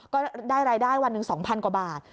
ก็ได้รายได้วันหนึ่ง๒๐๐กว่าบาท